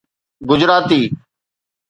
Gujarati